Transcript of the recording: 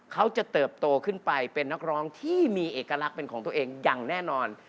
เขาจะเติบโตขึ้นไปเป็นนักร้องที่มีเอกลักษณ์เป็นของตัวเองอย่างแน่นอน